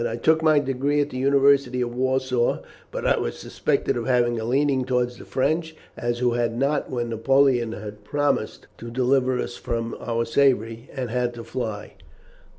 "I took my degree at the University of Warsaw, but I was suspected of having a leaning towards the French as who had not, when Napoleon had promised to deliver us from our slavery and had to fly.